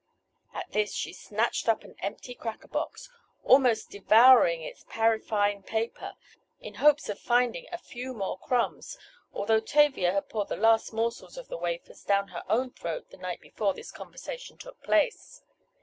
At this she snatched up an empty cracker box, almost devouring its parifine paper, in hopes of finding a few more crumbs, although Tavia had poured the last morsels of the wafers down her own throat the night before this conversation took place.